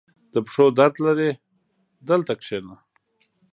• د پښو درد لرې؟ دلته کښېنه.